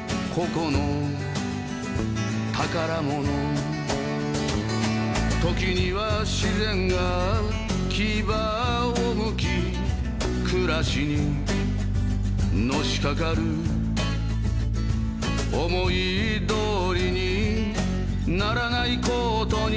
「ここの宝物」「時には自然がキバをむき」「暮らしにのしかかる」「思い通りにならないことに」